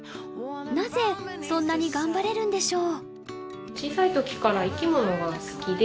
なぜそんなに頑張れるんでしょう？